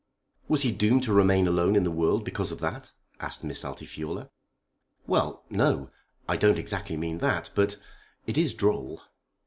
"Was he doomed to remain alone in the world because of that?" asked Miss Altifiorla. "Well, no; I don't exactly mean that. But it is droll."